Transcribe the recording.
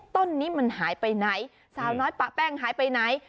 ต้นนี้มันหายไปไหนสาวน้อยปะแป้งหายไปไหน